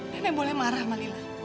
nenek boleh marah sama nila